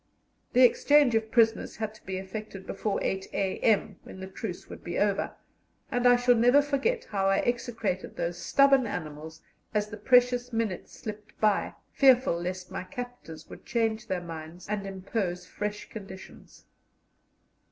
The exchange of prisoners had to be effected before 8 a.m., when the truce would be over, and I shall never forget how I execrated those stubborn animals, as the precious minutes slipped by, fearful lest my captors would change their minds and impose fresh conditions.